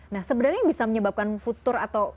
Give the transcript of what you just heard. nah sebenarnya yang bisa menyebabkan futur atau